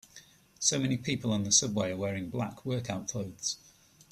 So many people on the subway are wearing black workout clothes.